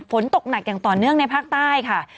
ฝนตกหนักอย่างต่อเนื่องในภาคใต้ค่ะ